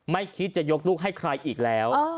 ไม่คิดจะยกลูกให้ใครอีกแล้ว